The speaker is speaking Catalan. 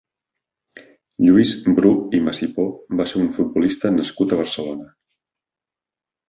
Lluís Bru i Masipó va ser un futbolista nascut a Barcelona.